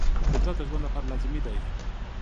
قدرت د ژوند لپاره لازمي دی.